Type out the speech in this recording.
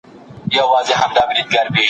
په پیل کي ټول بحثونه په فلسفه کي وو.